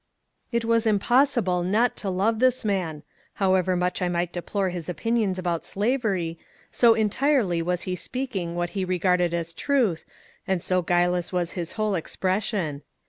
It was impossible not to love this man, however much I might deplore his opinions about slavery, so entirely was he speaking what he regarded as truth and so guileless was his whole expression.